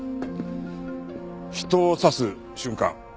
人を刺す瞬間